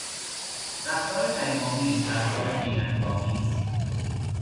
رفتار فریبآمیز، رفتار نیرنگآمیز